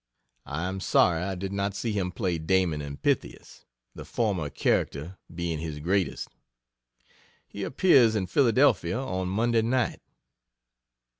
I am sorry I did not see him play "Damon and Pythias" the former character being his greatest. He appears in Philadelphia on Monday night.